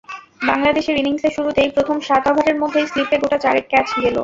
বাংলাদেশের ইনিংসের শুরুতেই, প্রথম সাত ওভারের মধ্যেই স্লিপে গোটা চারেক ক্যাচ গেল।